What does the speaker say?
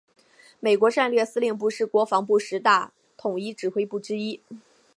美国战略司令部是国防部十大统一指挥部之一。